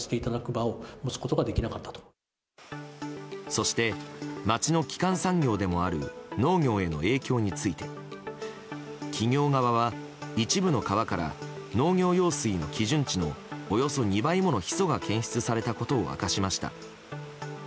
そして、町の基幹産業でもある農業への影響について企業側は一部の川から農業用水の基準値のおよそ２倍ものヒ素が検出されたことを明かしました。